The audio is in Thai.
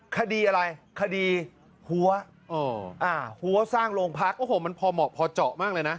คดีอะไรคดีหัวหัวสร้างโรงพักโอ้โหมันพอเหมาะพอเจาะมากเลยนะ